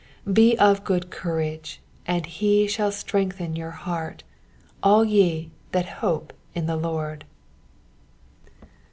24 Be of good courage, and he shall strengthen your heart, all ye that hope in the Lord.